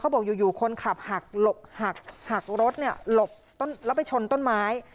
บอกอยู่คนขับหักหลบหักหักรถหลบแล้วไปชนต้นไม้